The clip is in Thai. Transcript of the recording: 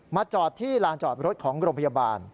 จอดที่ลานจอดรถของโรงพยาบาล